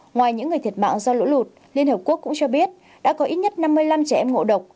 ngoài những người thiệt mạng do lũ lụt liên hợp quốc cũng cho biết đã có ít nhất năm mươi năm trẻ em ngộ độc